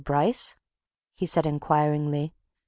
Bryce?" he said inquiringly.